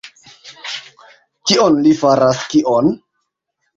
Kion li faras, kion?